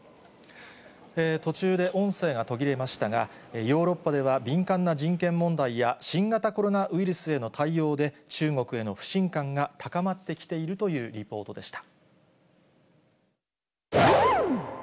途中で音声が途切れましたが、ヨーロッパでは敏感な人権問題や新型コロナウイルスへの対応で、中国への不信感が高まってきているというリポートでした。